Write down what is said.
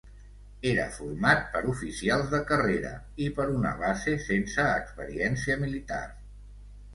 Era format per oficials de carrera i per una base sense experiència militar.